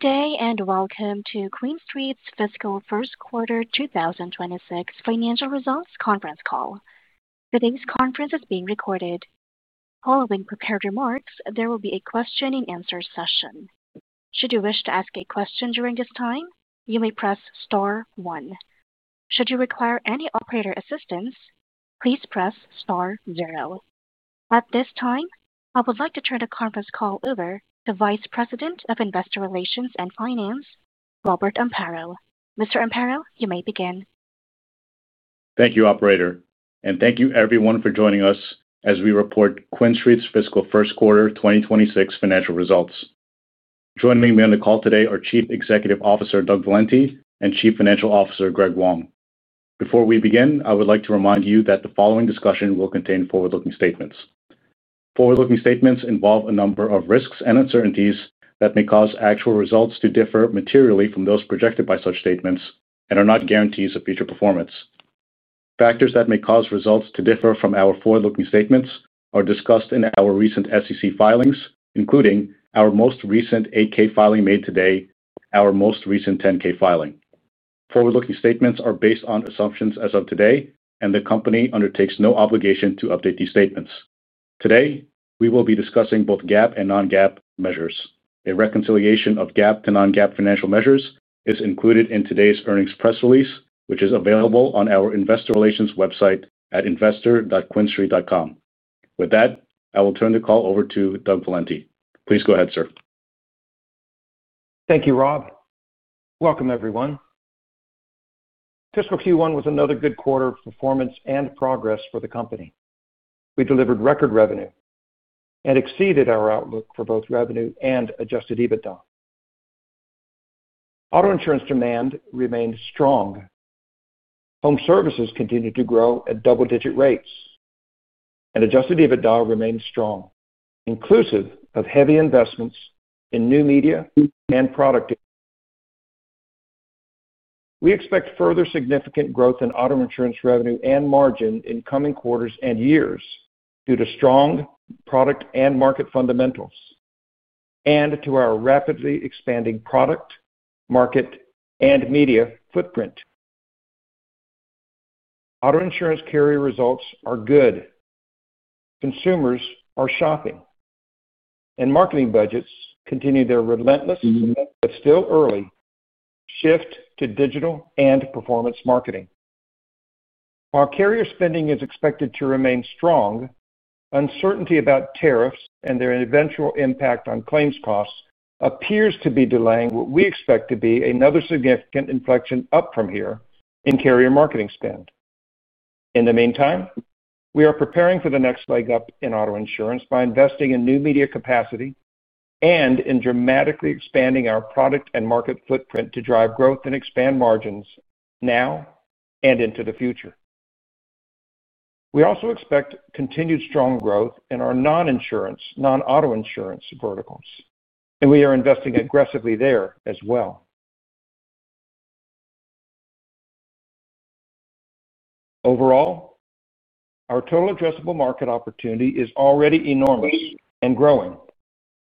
Good day and welcome to QuinStreet's fiscal first quarter 2026 financial results conference call. Today's conference is being recorded. Following prepared remarks, there will be a question-and-answer session. Should you wish to ask a question during this time, you may press star one. Should you require any operator assistance, please press star zero. At this time, I would like to turn the conference call over to Vice President of Investor Relations and Finance, Robert Amparo. Mr. Amparo, you may begin. Thank you, Operator. Thank you, everyone, for joining us as we report QuinStreet's fiscal first quarter 2026 financial results. Joining me on the call today are Chief Executive Officer Doug Valenti and Chief Financial Officer Greg Wong. Before we begin, I would like to remind you that the following discussion will contain forward-looking statements. Forward-looking statements involve a number of risks and uncertainties that may cause actual results to differ materially from those projected by such statements and are not guarantees of future performance. Factors that may cause results to differ from our forward-looking statements are discussed in our recent SEC filings, including our most recent 8-K filing made today and our most recent 10-K filing. Forward-looking statements are based on assumptions as of today, and the company undertakes no obligation to update these statements. Today, we will be discussing both GAAP and non-GAAP measures. A reconciliation of GAAP to non-GAAP financial measures is included in today's earnings press release, which is available on our Investor Relations website at investor.quinstreet.com. With that, I will turn the call over to Doug Valenti. Please go ahead, sir. Thank you, Rob. Welcome, everyone. Fiscal Q1 was another good quarter of performance and progress for the company. We delivered record revenue and exceeded our outlook for both revenue and Adjusted EBITDA. Auto insurance demand remained strong. Home services continued to grow at double-digit rates. Adjusted EBITDA remained strong, inclusive of heavy investments in new media and product. We expect further significant growth in auto insurance revenue and margin in coming quarters and years due to strong product and market fundamentals, and to our rapidly expanding product, market, and media footprint. Auto insurance carrier results are good. Consumers are shopping. Marketing budgets continue their relentless, but still early, shift to digital and performance marketing. Carrier spending is expected to remain strong. Uncertainty about tariffs and their eventual impact on claims costs appears to be delaying what we expect to be another significant inflection up from here in carrier marketing spend. In the meantime, we are preparing for the next leg up in auto insurance by investing in new media capacity and in dramatically expanding our product and market footprint to drive growth and expand margins now and into the future. We also expect continued strong growth in our non-insurance, non-auto insurance verticals, and we are investing aggressively there as well. Overall, our total addressable market opportunity is already enormous and growing,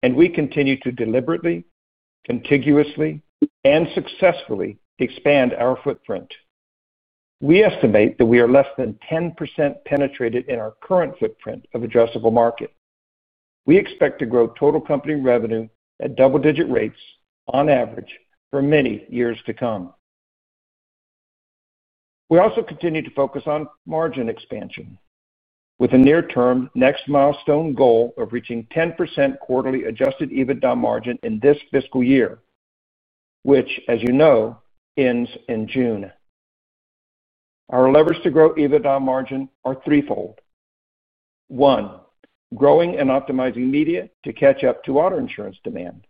and we continue to deliberately, contiguously, and successfully expand our footprint. We estimate that we are less than 10% penetrated in our current footprint of addressable market. We expect to grow total company revenue at double-digit rates on average for many years to come. We also continue to focus on margin expansion, with a near-term next milestone goal of reaching 10% quarterly Adjusted EBITDA margin in this fiscal year, which, as you know, ends in June. Our levers to grow EBITDA margin are threefold. One, growing and optimizing media to catch up to auto insurance demand.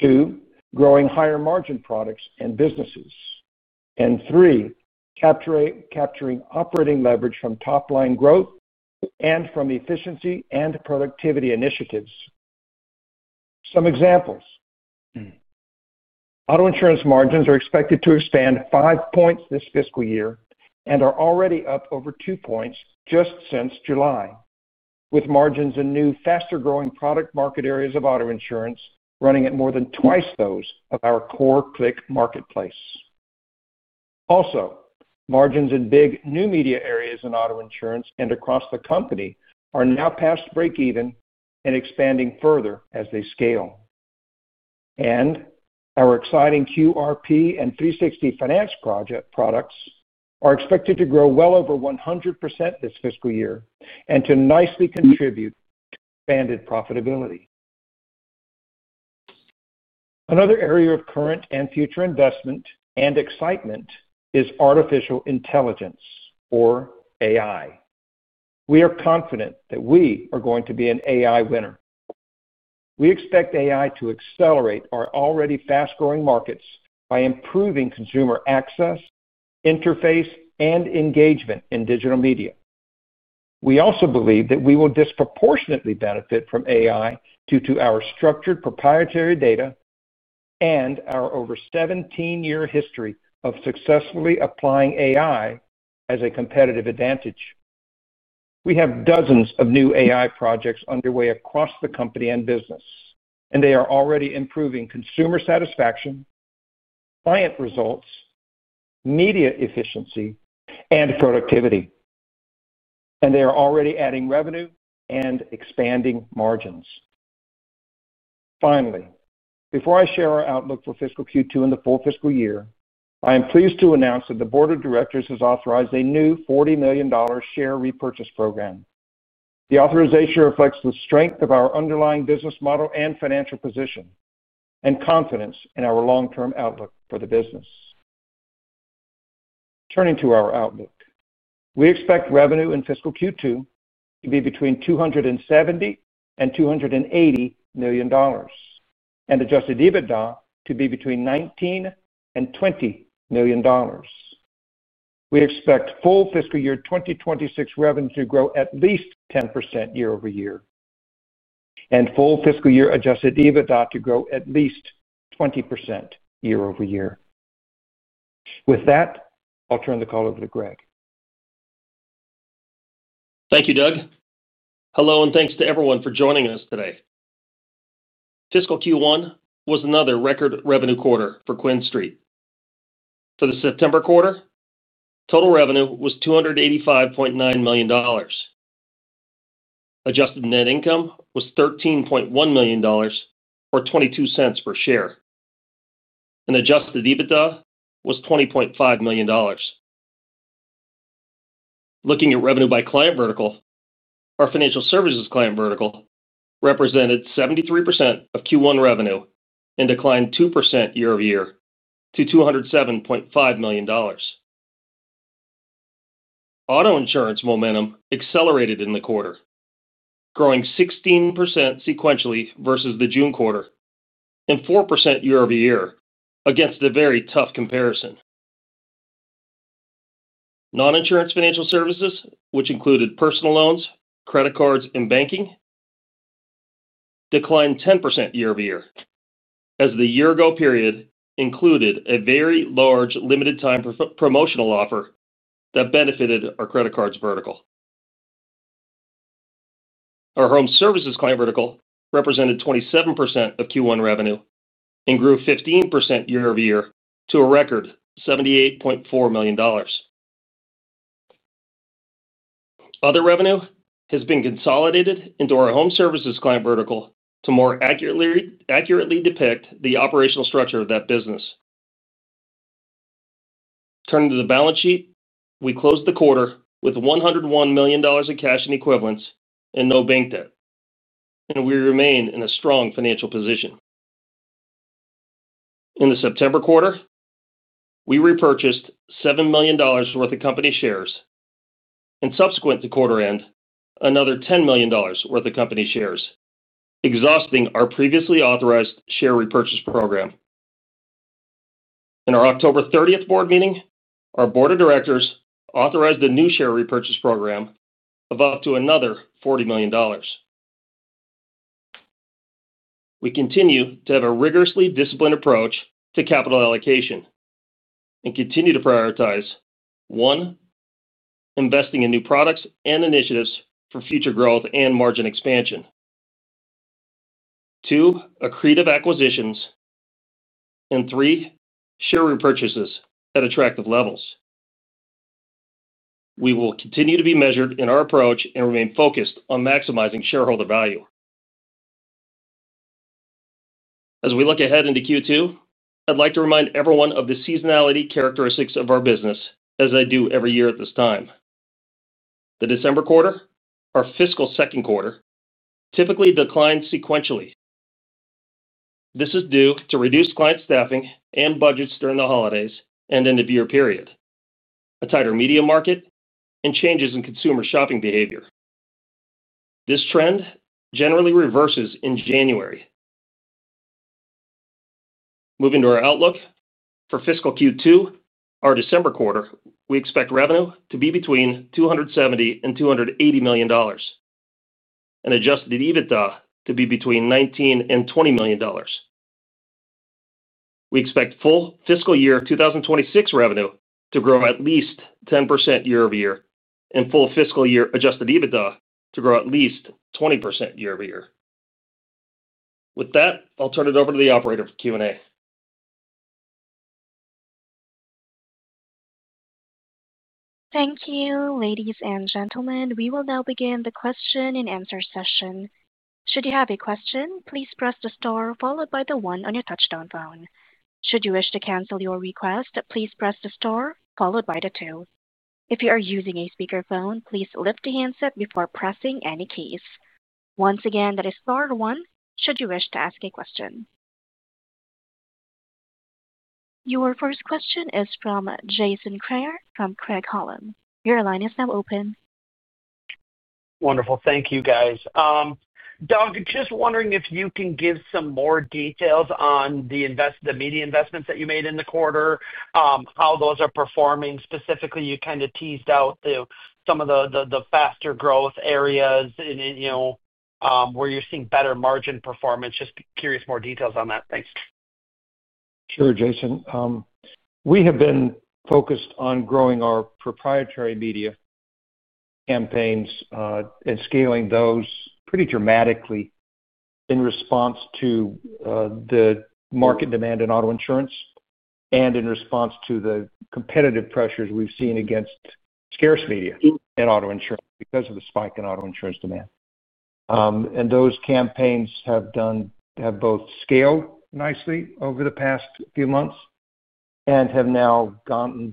Two, growing higher margin products and businesses. Three, capturing operating leverage from top-line growth and from efficiency and productivity initiatives. Some examples. Auto insurance margins are expected to expand 5 percentage points this fiscal year and are already up over 2 percentage points just since July, with margins in new, faster-growing product market areas of auto insurance running at more than twice those of our core click marketplace. Also, margins in big new media areas in auto insurance and across the company are now past break-even and expanding further as they scale. Our exciting QRP and 360 Finance products are expected to grow well over 100% this fiscal year and to nicely contribute to expanded profitability. Another area of current and future investment and excitement is artificial intelligence, or AI. We are confident that we are going to be an AI winner. We expect AI to accelerate our already fast-growing markets by improving consumer access, interface, and engagement in digital media. We also believe that we will disproportionately benefit from AI due to our structured proprietary data and our over 17-year history of successfully applying AI as a competitive advantage. We have dozens of new AI projects underway across the company and business, and they are already improving consumer satisfaction, client results, media efficiency, and productivity. They are already adding revenue and expanding margins. Finally, before I share our outlook for fiscal Q2 and the full fiscal year, I am pleased to announce that the Board of Directors has authorized a new $40 million share repurchase program. The authorization reflects the strength of our underlying business model and financial position. Confidence in our long-term outlook for the business. Turning to our outlook, we expect revenue in fiscal Q2 to be between $270 million and $280 million. Adjusted EBITDA to be between $19 million and $20 million. We expect full fiscal year 2026 revenue to grow at least 10% year-over-year. Full fiscal year Adjusted EBITDA to grow at least 20% year-over-year. With that, I'll turn the call over to Greg. Thank you, Doug. Hello, and thanks to everyone for joining us today. Fiscal Q1 was another record revenue quarter for QuinStreet. For the September quarter, total revenue was $285.9 million. Adjusted net income was $13.1 million, or $0.22 per share. Adjusted EBITDA was $20.5 million. Looking at revenue by client vertical, our financial services client vertical represented 73% of Q1 revenue and declined 2% year-over-year to $207.5 million. Auto insurance momentum accelerated in the quarter, growing 16% sequentially versus the June quarter and 4% year-over-year against a very tough comparison. Non-insurance financial services, which included personal loans, credit cards, and banking, declined 10% year-over-year as the year-ago period included a very large limited-time promotional offer that benefited our credit cards vertical. Our home services client vertical represented 27% of Q1 revenue and grew 15% year-over-year to a record $78.4 million. Other revenue has been consolidated into our home services client vertical to more accurately depict the operational structure of that business. Turning to the balance sheet, we closed the quarter with $101 million in cash and equivalents and no bank debt. We remain in a strong financial position. In the September quarter, we repurchased $7 million worth of company shares. Subsequent to quarter-end, another $10 million worth of company shares, exhausting our previously authorized share repurchase program. In our October 30th board meeting, our Board of Directors authorized a new share repurchase program of up to another $40 million. We continue to have a rigorously disciplined approach to capital allocation and continue to prioritize, one, investing in new products and initiatives for future growth and margin expansion, two, accretive acquisitions, and three, share repurchases at attractive levels. We will continue to be measured in our approach and remain focused on maximizing shareholder value. As we look ahead into Q2, I'd like to remind everyone of the seasonality characteristics of our business, as I do every year at this time. The December quarter, our fiscal second quarter, typically declined sequentially. This is due to reduced client staffing and budgets during the holidays and end-of-year period, a tighter media market, and changes in consumer shopping behavior. This trend generally reverses in January. Moving to our outlook for fiscal Q2, our December quarter, we expect revenue to be between $270 million and $280 million, and Adjusted EBITDA to be between $19 million and $20 million. We expect full fiscal year 2026 revenue to grow at least 10% year-over-year and full fiscal year Adjusted EBITDA to grow at least 20% year-over-year. With that, I'll turn it over to the operator for Q&A. Thank you, ladies and gentlemen. We will now begin the question-and-answer session. Should you have a question, please press the star followed by the one on your touch-tone phone. Should you wish to cancel your request, please press the star followed by the two. If you are using a speakerphone, please lift the handset before pressing any keys. Once again, that is star one. Should you wish to ask a question? Your first question is from Jason Kreyer from Craig-Hallum. Your line is now open. Wonderful. Thank you, guys. Doug, just wondering if you can give some more details on the media investments that you made in the quarter, how those are performing. Specifically, you kind of teased out some of the faster growth areas where you're seeing better margin performance. Just curious more details on that. Thanks. Sure, Jason. We have been focused on growing our proprietary media campaigns and scaling those pretty dramatically in response to the market demand in auto insurance and in response to the competitive pressures we've seen against scarce media in auto insurance because of the spike in auto insurance demand. Those campaigns have both scaled nicely over the past few months and have now gone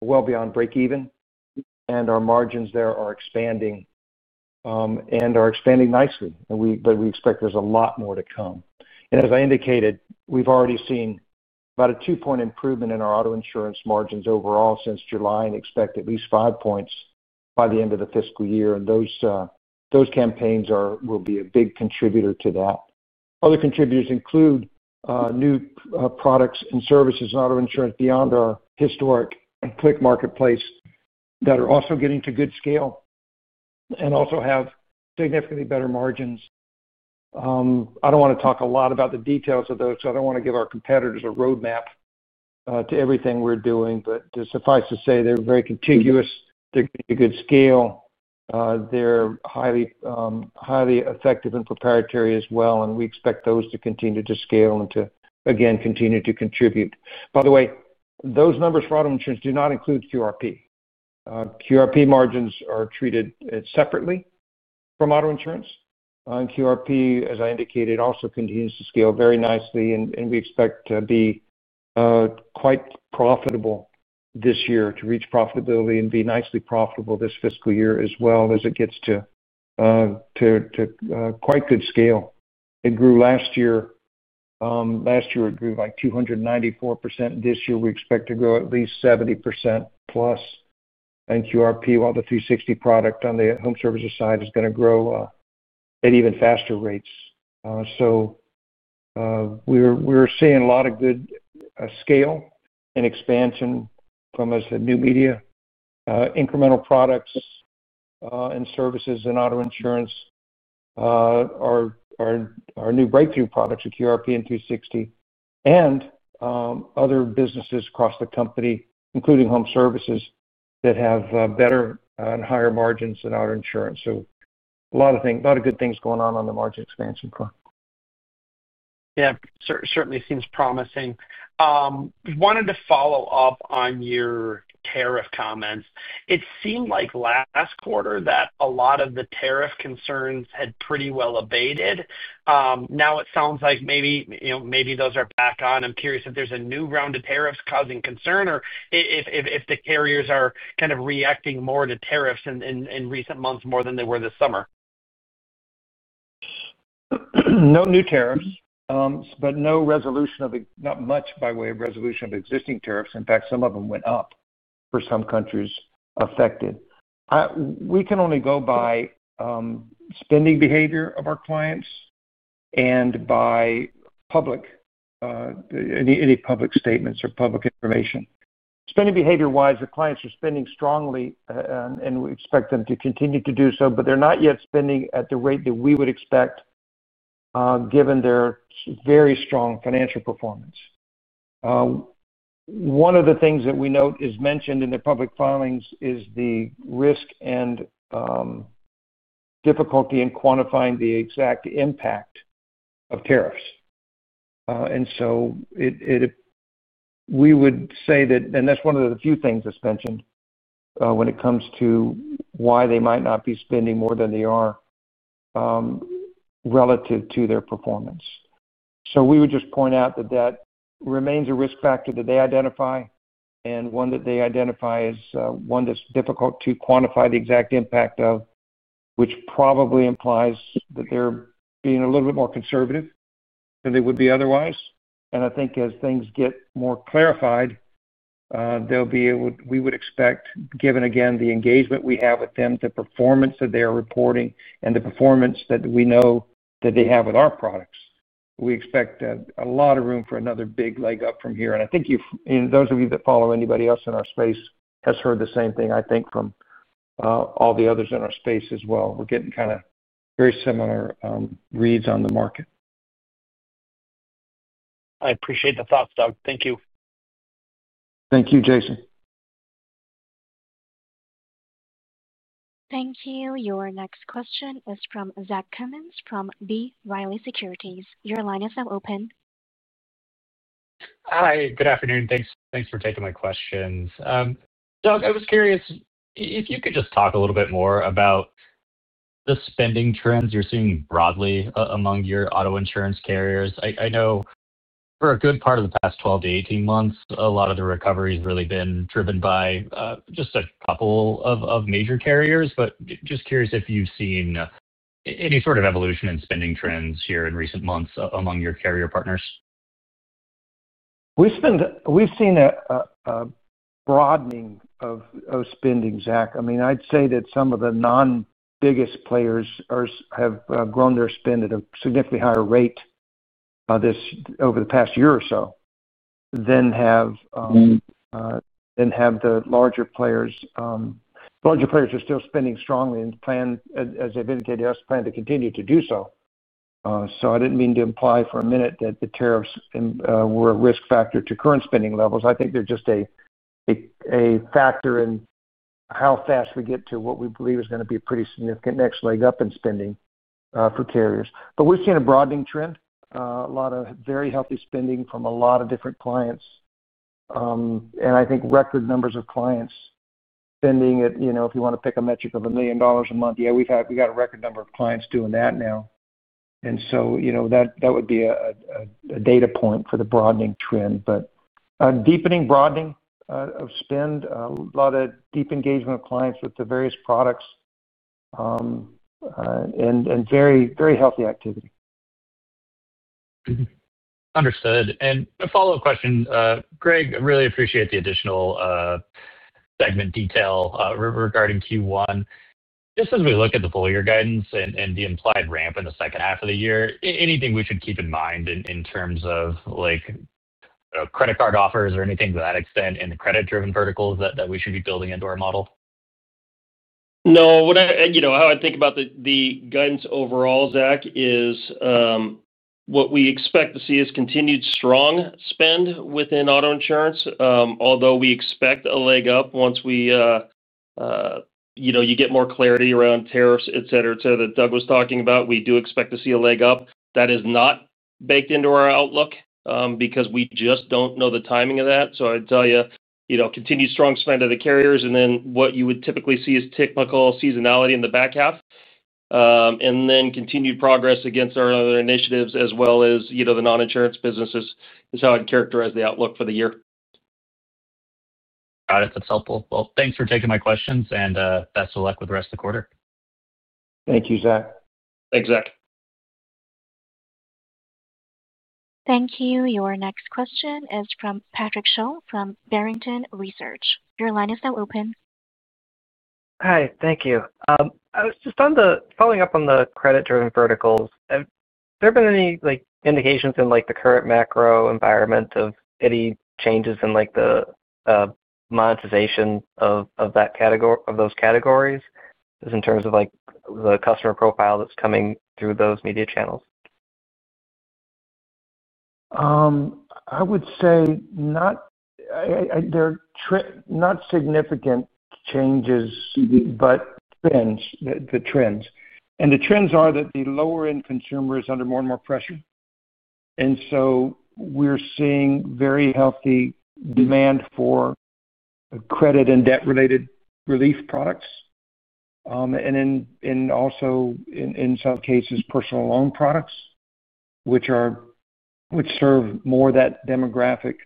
well beyond break-even. Our margins there are expanding and are expanding nicely. We expect there's a lot more to come. As I indicated, we've already seen about a two-point improvement in our auto insurance margins overall since July and expect at least five points by the end of the fiscal year. Those campaigns will be a big contributor to that. Other contributors include new products and services in auto insurance beyond our historic click marketplace that are also getting to good scale. They also have significantly better margins. I do not want to talk a lot about the details of those. I do not want to give our competitors a roadmap to everything we are doing. Suffice to say, they are very contiguous. They are getting good scale. They are highly effective and proprietary as well. We expect those to continue to scale and to, again, continue to contribute. By the way, those numbers for auto insurance do not include QRP. QRP margins are treated separately from auto insurance. QRP, as I indicated, also continues to scale very nicely. We expect to be quite profitable this year, to reach profitability and be nicely profitable this fiscal year as well as it gets to quite good scale. It grew last year. Last year, it grew by 294%. This year, we expect to grow at least 70%+. QRP, while the 360 product on the home services side, is going to grow at even faster rates. We are seeing a lot of good scale and expansion from, as I said, new media, incremental products and services in auto insurance. Our new breakthrough products, the QRP and 360, and other businesses across the company, including home services, have better and higher margins than auto insurance. A lot of good things are going on on the margin expansion front. Yeah. Certainly seems promising. Wanted to follow up on your tariff comments. It seemed like last quarter that a lot of the tariff concerns had pretty well abated. Now it sounds like maybe those are back on. I'm curious if there's a new round of tariffs causing concern or if the carriers are kind of reacting more to tariffs in recent months more than they were this summer. No new tariffs, but no resolution of not much by way of resolution of existing tariffs. In fact, some of them went up for some countries affected. We can only go by spending behavior of our clients and by any public statements or public information. Spending behavior-wise, the clients are spending strongly, and we expect them to continue to do so, but they're not yet spending at the rate that we would expect given their very strong financial performance. One of the things that we note is mentioned in the public filings is the risk and difficulty in quantifying the exact impact of tariffs. And so we would say that, and that's one of the few things that's mentioned when it comes to why they might not be spending more than they are relative to their performance. We would just point out that that remains a risk factor that they identify and one that they identify as one that's difficult to quantify the exact impact of, which probably implies that they're being a little bit more conservative than they would be otherwise. I think as things get more clarified, we would expect, given again the engagement we have with them, the performance that they are reporting, and the performance that we know that they have with our products, we expect a lot of room for another big leg up from here. I think those of you that follow anybody else in our space have heard the same thing, I think, from all the others in our space as well. We're getting kind of very similar reads on the market. I appreciate the thoughts, Doug. Thank you. Thank you, Jason. Thank you. Your next question is from Zach Cummins from B. Riley Securities. Your line is now open. Hi. Good afternoon. Thanks for taking my questions. Doug, I was curious if you could just talk a little bit more about the spending trends you're seeing broadly among your auto insurance carriers. I know for a good part of the past 12 to 18 months, a lot of the recovery has really been driven by just a couple of major carriers. Just curious if you've seen any sort of evolution in spending trends here in recent months among your carrier partners. We've seen a broadening of spending, Zach. I mean, I'd say that some of the non-biggest players have grown their spend at a significantly higher rate over the past year or so than have the larger players. The larger players are still spending strongly and, as I've indicated, plan to continue to do so. I didn't mean to imply for a minute that the tariffs were a risk factor to current spending levels. I think they're just a factor in how fast we get to what we believe is going to be a pretty significant next leg up in spending for carriers. We've seen a broadening trend, a lot of very healthy spending from a lot of different clients. I think record numbers of clients spending at, if you want to pick a metric of a million dollars a month, yeah, we've got a record number of clients doing that now. That would be a data point for the broadening trend. Deepening broadening of spend, a lot of deep engagement of clients with the various products. Very healthy activity. Understood. A follow-up question. Greg, I really appreciate the additional segment detail regarding Q1. Just as we look at the full-year guidance and the implied ramp in the second half of the year, is there anything we should keep in mind in terms of credit card offers or anything to that extent in the credit-driven verticals that we should be building into our model? No. How I think about the guidance overall, Zach, is. What we expect to see is continued strong spend within auto insurance, although we expect a leg up once we get more clarity around tariffs, et cetera, et cetera, that Doug was talking about. We do expect to see a leg up. That is not baked into our outlook because we just do not know the timing of that. I'd tell you continued strong spend of the carriers and then what you would typically see is typical seasonality in the back half. Continued progress against our initiatives as well as the non-insurance businesses is how I'd characterize the outlook for the year. Got it. That's helpful. Thanks for taking my questions and best of luck with the rest of the quarter. Thank you, Zach. Thanks, Zach. Thank you. Your next question is from Patrick Sholl from Barrington Research. Your line is now open. Hi. Thank you. Just following up on the credit-driven verticals, have there been any indications in the current macro environment of any changes in the monetization of those categories in terms of the customer profile that's coming through those media channels? I would say not significant changes, but the trends. The trends are that the lower-end consumer is under more and more pressure. We are seeing very healthy demand for credit and debt-related relief products. Also, in some cases, personal loan products, which serve more that demographic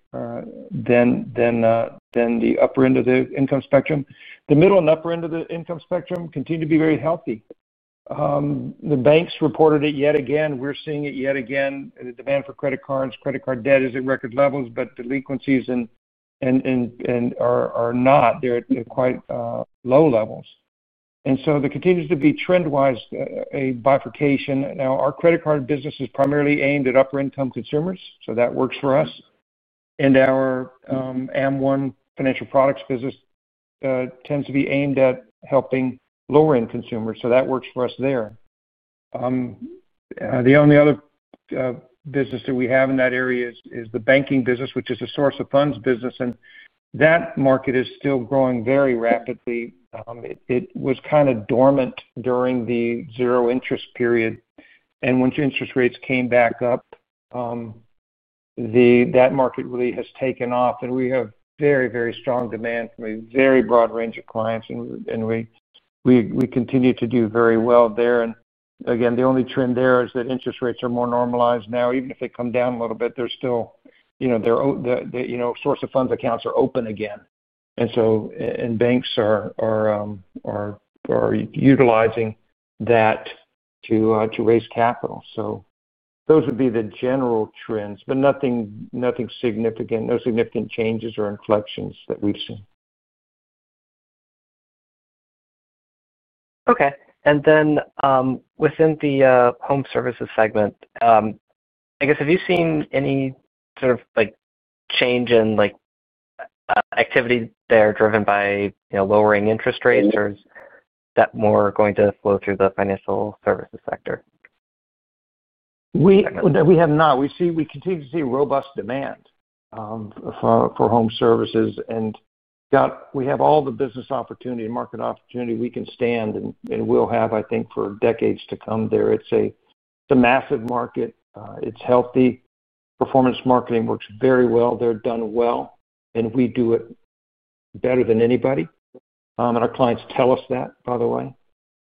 than the upper end of the income spectrum. The middle and upper end of the income spectrum continue to be very healthy. The banks reported it yet again. We are seeing it yet again. The demand for credit cards, credit card debt is at record levels, but the liquidities are not. They are at quite low levels. There continues to be, trend-wise, a bifurcation. Our credit card business is primarily aimed at upper-income consumers, so that works for us. Our AM1 Financial Products business tends to be aimed at helping lower-end consumers, so that works for us there. The only other business that we have in that area is the banking business, which is a source of funds business. That market is still growing very rapidly. It was kind of dormant during the zero-interest period. Once interest rates came back up, that market really has taken off. We have very, very strong demand from a very broad range of clients. We continue to do very well there. The only trend there is that interest rates are more normalized now. Even if they come down a little bit, they are still there. Source-of-funds accounts are open again, and banks are utilizing that to raise capital. Those would be the general trends, but nothing significant, no significant changes or inflections that we have seen. Okay. And then within the home services segment, I guess, have you seen any sort of change in activity there driven by lowering interest rates, or is that more going to flow through the financial services sector? We have not. We continue to see robust demand for home services. We have all the business opportunity and market opportunity we can stand and will have, I think, for decades to come there. It is a massive market. It is healthy. Performance marketing works very well if done well. We do it better than anybody. Our clients tell us that, by the way.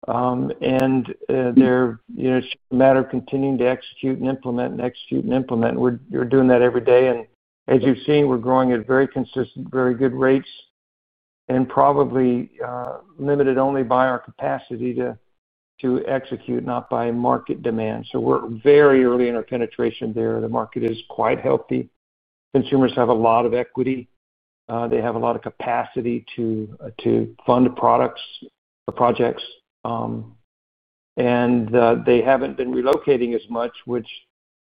It is just a matter of continuing to execute and implement and execute and implement. We are doing that every day. As you have seen, we are growing at very consistent, very good rates. We are probably limited only by our capacity to execute, not by market demand. We are very early in our penetration there. The market is quite healthy. Consumers have a lot of equity. They have a lot of capacity to fund products or projects. They have not been relocating as much, which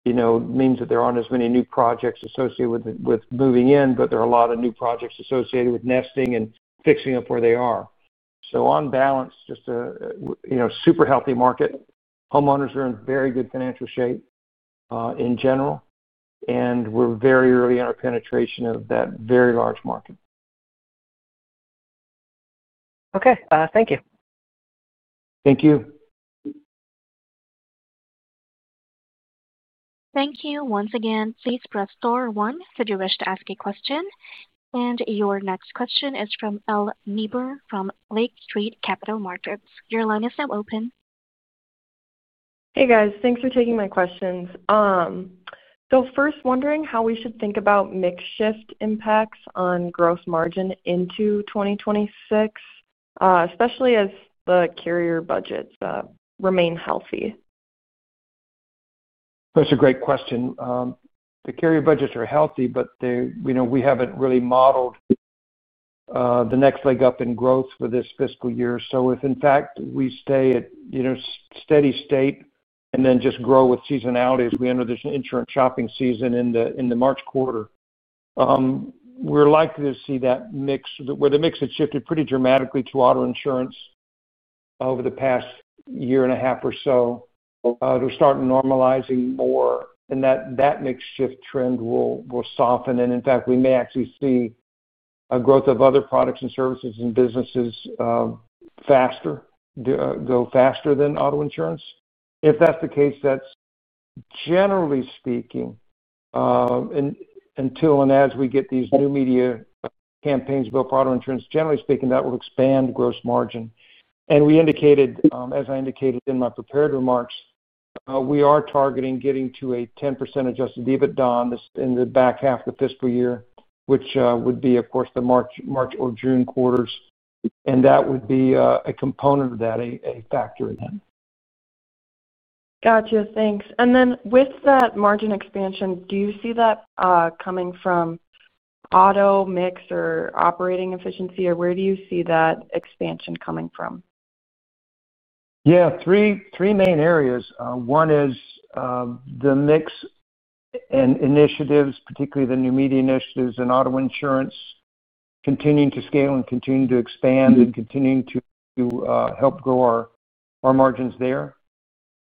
means that there are not as many new projects associated with moving in, but there are a lot of new projects associated with nesting and fixing up where they are. On balance, just a super healthy market. Homeowners are in very good financial shape in general, and we are very early in our penetration of that very large market. Okay. Thank you. Thank you. Thank you once again. Please press star one if you wish to ask a question. Your next question is from Elle Niebuhr from Lake Street Capital Markets. Your line is now open. Hey, guys. Thanks for taking my questions. So first, wondering how we should think about makeshift impacts on gross margin into 2026. Especially as the carrier budgets remain healthy. That's a great question. The carrier budgets are healthy, but we haven't really modeled the next leg up in growth for this fiscal year. If, in fact, we stay at a steady state and then just grow with seasonality as we enter this insurance shopping season in the March quarter, we're likely to see that mix where the mix has shifted pretty dramatically to auto insurance over the past year and a half or so. They're starting to normalize more, and that mix shift trend will soften. In fact, we may actually see a growth of other products and services and businesses go faster than auto insurance. If that's the case, that's, generally speaking, until and as we get these new media campaigns built for auto insurance, generally speaking, that will expand gross margin. As I indicated in my prepared remarks, we are targeting getting to a 10% Adjusted EBITDA in the back half of the fiscal year, which would be, of course, the March or June quarters. That would be a component of that, a factor in that. Gotcha. Thanks. With that margin expansion, do you see that coming from auto, mix, or operating efficiency, or where do you see that expansion coming from? Yeah. Three main areas. One is the mix. Initiatives, particularly the new media initiatives in auto insurance. Continuing to scale and continuing to expand and continuing to help grow our margins there.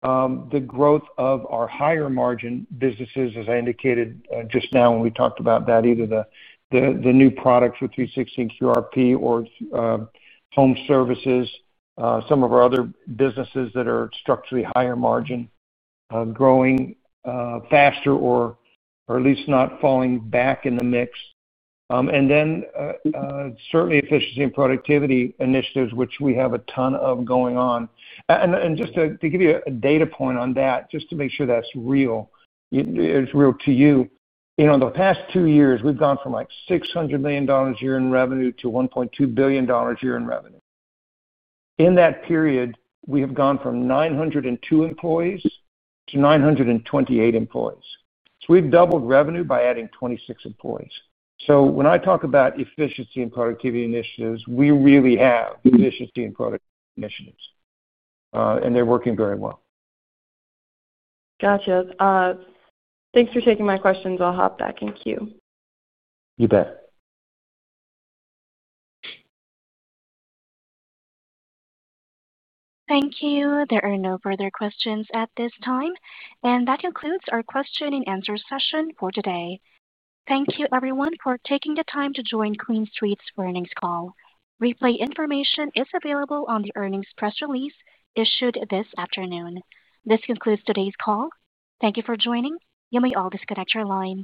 The growth of our higher-margin businesses, as I indicated just now when we talked about that, either the new products with 360 and QRP or home services, some of our other businesses that are structurally higher-margin, growing faster or at least not falling back in the mix. Certainly efficiency and productivity initiatives, which we have a ton of going on. Just to give you a data point on that, just to make sure that's real. It's real to you. In the past two years, we've gone from like $600 million year in revenue to $1.2 billion year in revenue. In that period, we have gone from 902 employees to 928 employees. We've doubled revenue by adding 26 employees. When I talk about efficiency and productivity initiatives, we really have efficiency and productivity initiatives. They're working very well. Gotcha. Thanks for taking my questions. I'll hop back in queue. You bet. Thank you. There are no further questions at this time. That concludes our question-and-answer session for today. Thank you, everyone, for taking the time to join QuinStreet's earnings call. Replay information is available on the earnings press release issued this afternoon. This concludes today's call. Thank you for joining. You may all disconnect your lines.